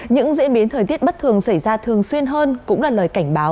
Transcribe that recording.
những diễn biến thời tiết bất thường xảy ra thường xuyên hơn cũng là lời cảnh báo